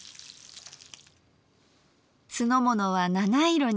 酢の物は七色に。